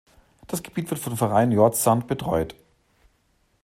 Das Gebiet wird vom Verein Jordsand betreut.